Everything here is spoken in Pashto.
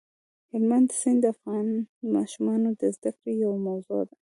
هلمند سیند د افغان ماشومانو د زده کړې یوه موضوع ده.